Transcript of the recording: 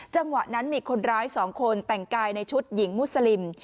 จังหวะนั้นมีคนร้าย๒คนแต่งกายในชุดหญิงมุสลิม